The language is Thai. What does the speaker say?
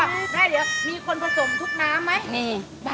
แม่เดี๋ยวมีคนผสมทุกน้ำไหม